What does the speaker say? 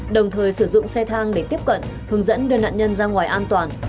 đồng thời sử dụng xe thang để tiếp cận hướng dẫn đưa nạn nhân ra ngoài an toàn